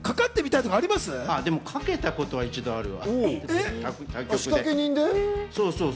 だけれどもかけたことが一度あるわ。